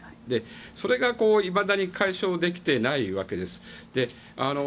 それがいまだに解消できていないわけです。